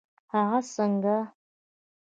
هغه څنګه؟